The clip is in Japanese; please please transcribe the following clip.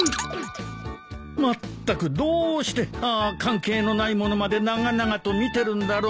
まったくどうしてああ関係のない物まで長々と見てるんだろうなあ。